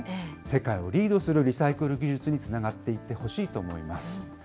世界をリードするリサイクル技術につながっていってほしいと思います。